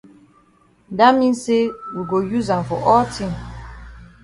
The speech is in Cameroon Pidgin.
Dat mean say we go use am for all tin.